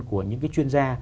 của những cái chuyên gia